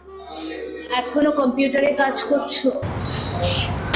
এখনো কম্পিউটারে কাজ করছো?